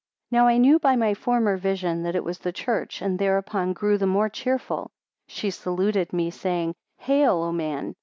15 Now I knew by my former visions that it was the church, and thereupon grew the more cheerful. She saluted me, saying, Hail, O Man!